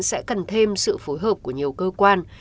sẽ cần thêm sự phối hợp của nhiều cơ quan